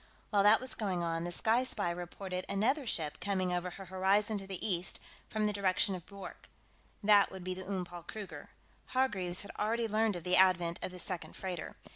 While that was going on, the Sky Spy reported another ship coming over her horizon to the east, from the direction of Bwork. That would be the Oom Paul Kruger. Hargreaves had already learned of the advent of the second freighter.